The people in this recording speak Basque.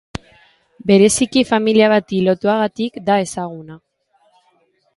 Bereziki familia bati lotuagatik da ezaguna.